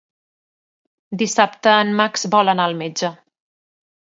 Dissabte en Max vol anar al metge.